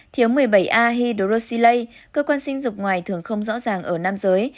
thiếu một mươi bảy a hydrosilay cơ quan sinh dục ngoài thường không rõ ràng ở nam giới